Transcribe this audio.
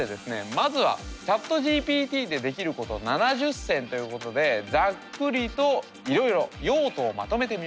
まずはＣｈａｔＧＰＴでできること７０選ということでざっくりといろいろ用途をまとめてみました。